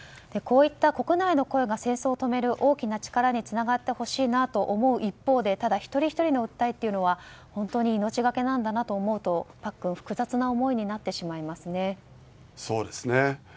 こういった国内の声が戦争を止める大きな力につながってほしいなと思う一方でただ一人ひとりの訴えは本当に命がけなんだなと思うとパックン、複雑な思いになってしまいますね。